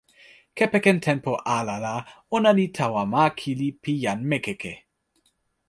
kepeken tenpo ala la, ona li tawa ma kili pi jan Mekeke.